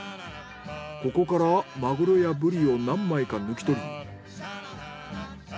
ここからマグロやブリを何枚か抜き取り。